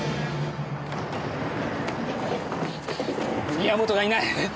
宮本がいない！